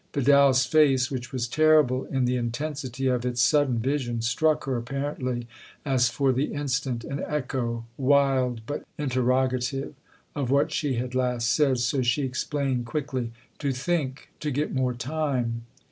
Vidal's face, which was terrible in the intensity of its sudden vision, struck her apparently as for the instant an echo, wild but interrogative, of what she had last said ; so she explained quickly :" To think to get more time."